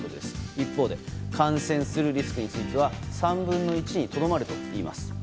一方で感染するリスクについては３分の１にとどまるといいます。